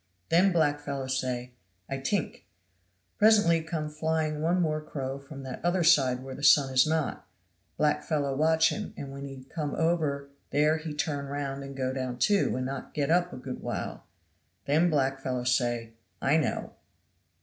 Then black fellow say, 'I tink.' Presently come flying one more crow from that other side where the sun is not. Black fellow watch him, and when he come over there he turn round and go down, too, and not get up a good while. Then black fellow say, 'I know.'"